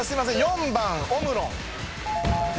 ４番オムロン。